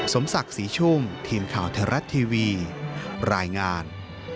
สมศักดิ์ศรีชุ่มทีมข่าวไทยรัฐทีวีรายงาน